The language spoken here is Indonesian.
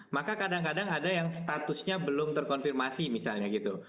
maka kadang kadang ada yang statusnya belum terkonfirmasi misalnya gitu